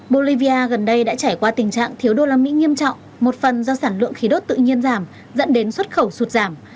bolivia gần đây đã trải qua tình trạng thiếu đô la mỹ nghiêm trọng một phần do sản lượng khí đốt tự nhiên giảm dẫn đến xuất khẩu sụt giảm